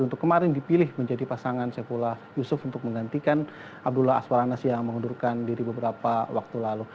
untuk kemarin dipilih menjadi pasangan saifullah yusuf untuk menggantikan abdullah aswar anas yang mengundurkan diri beberapa waktu lalu